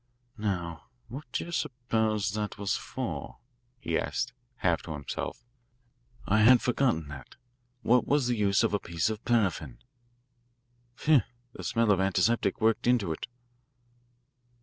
"Now, what do you suppose that was for?" he asked, half to himself. "I had forgotten that. What was the use of a piece of paraffin? Phew, smell the antiseptic worked into it."